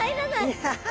ウハハハ。